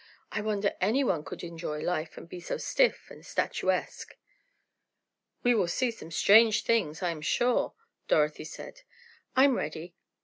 I wonder anyone could enjoy life and be so stiff and statuesque." "We will see some strange things, I am sure," Dorothy said. "I'm ready.